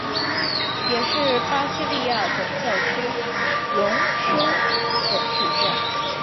也是巴西利亚总教区荣休总主教。